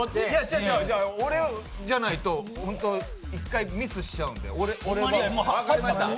じゃ、俺じゃないと１回ミスしちゃうんで。